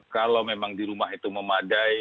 kalau memang di rumah itu memadai